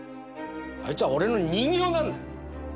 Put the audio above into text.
あいつは俺の人形なんだよ！